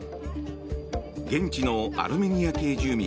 現地のアルメニア系住民